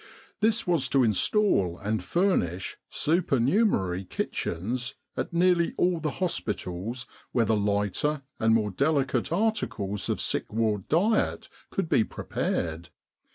This was to instal and furnish supernumerary kitchens at nearly all the hospitals, where the lighter and more delicate articles of sick ward diet could be prepared.